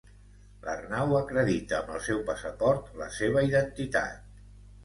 L'Arnau acredita amb el passaport la seva identitat.